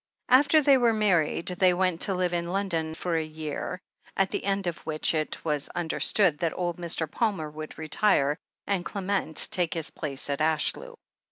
After they were married, they went to live in Lon don for a year, at the end of which it was understood that old Mr. Palmer would retire, and Clement take his place at Ashlew.